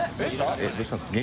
どうしたんですか？